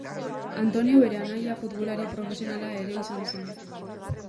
Antonio bere anaia futbolari profesionala ere izan zen.